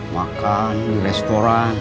makan di restoran